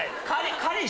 彼氏？